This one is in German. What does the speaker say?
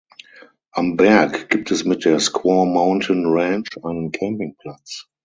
Am Berg gibt es mit der Squaw Mountain Ranch einen Campingplatz.